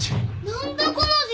何だこの字！